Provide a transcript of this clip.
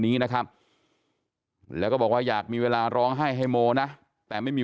นี้นะครับแล้วก็บอกว่าอยากมีเวลาร้องไห้ให้โมนะแต่ไม่มี